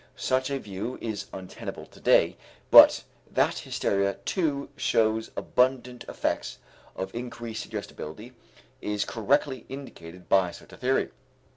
Such a view is untenable to day; but that hysteria too shows abundant effects of increased suggestibility is correctly indicated by such a theory.